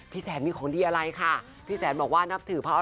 แสนมีของดีอะไรค่ะพี่แสนบอกว่านับถือเพราะอะไร